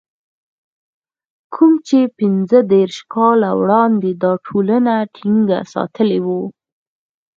کوم چې پنځه دېرش کاله وړاندې دا ټولنه ټينګه ساتلې وه.